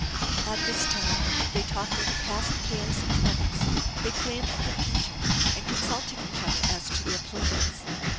At this time, they talked over past cares and troubles; they planned for the future, and consulted each other as to their plans.